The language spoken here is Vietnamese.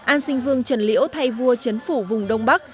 an sinh vương trần liễu thay vua chấn phủ vùng đông bắc